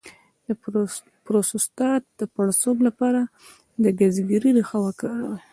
د پروستات د پړسوب لپاره د ګزګیرې ریښه وکاروئ